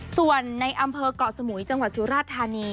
ส่วนในอำเภอกเกาะสมุยจังหวัดสุราชธานี